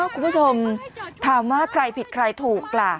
คุณผู้ชมถามว่าใครผิดใครถูกล่ะ